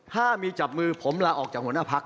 ถ้ามีจับมือผมลาออกจากหัวหน้าพัก